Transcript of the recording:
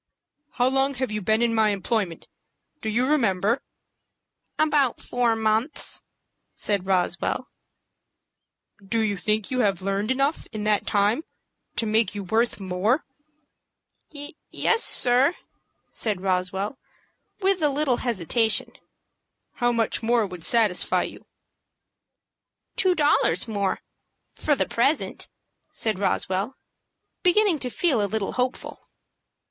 "How long have you been in my employment, do you remember?" "About four months," said Roswell. "Do you think you have learned enough in that time to make you worth more?" "Yes, sir," said Roswell, with a little hesitation. "How much more would satisfy you?" "Two dollars more, for the present," said Roswell, beginning to feel a little hopeful.